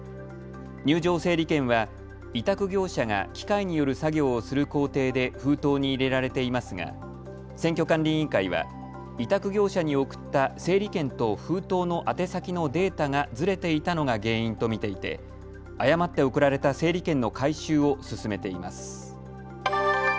入場整理券は委託業者が機械による作業をする工程で封筒に入れられていますが選挙管理委員会は委託業者に送った整理券と封筒の宛先のデータがずれていたのが原因と見ていて誤って送られた整理券の回収を進めています。